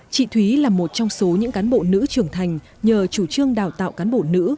chị thúy là một trong số những cán bộ nữ trưởng thành nhờ chủ trương đào tạo cán bộ nữ